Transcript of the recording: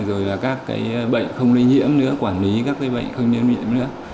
rồi là các bệnh không lây nhiễm nữa quản lý các bệnh không lây nhiễm nữa